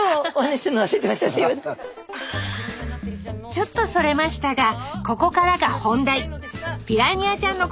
ちょっとそれましたがここからが本題。